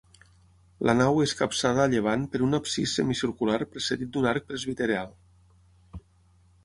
La nau és capçada a llevant per un absis semicircular precedit d'un arc presbiteral.